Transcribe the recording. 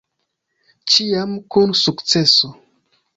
Ĉiam kun sukceso.